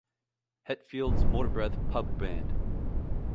Hetfield's Motorbreath Pub Band.